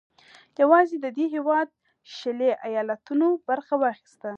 یوازې د دې هېواد شلي ایالتونو برخه واخیسته.